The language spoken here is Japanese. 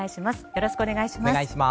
よろしくお願いします。